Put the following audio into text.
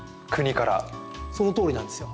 そのとおりなんですよ。